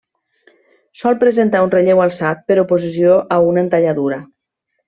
Sol presentar un relleu alçat, per oposició a una entalladura.